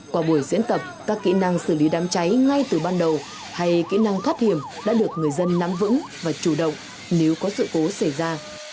qua buổi diễn tập các kỹ năng xử lý đám cháy ngay từ ban đầu hay kỹ năng thoát hiểm đã được người dân nắm vững và chủ động nếu có sự cố xảy ra